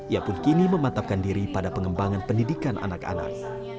ia pun kini mematapkan diri pada pengembangan pendidikan anak anak